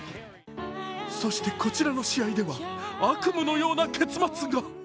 そしてこちらの試合では悪夢のような結末が。